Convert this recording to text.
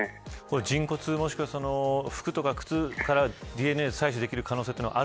人骨、もしくは服や靴からＤＮＡが採取できる